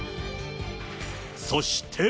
そして。